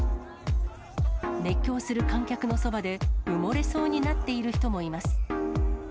熱狂する観客のそばで、埋もれそうになっている人もいます。